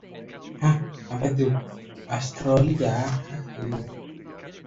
The pageant is televised around Australia.